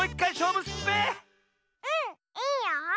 うんいいよ。